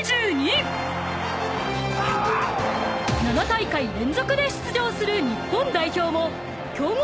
［７大会連続で出場する日本代表も］